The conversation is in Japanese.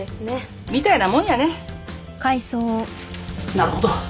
なるほど